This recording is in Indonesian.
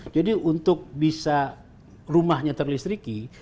jadi untuk bisa rumahnya terlistriki